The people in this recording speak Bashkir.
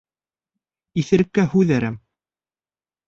Иҫереккә һүҙ әрәм.